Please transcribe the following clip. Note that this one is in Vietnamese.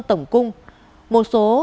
tổng cung một số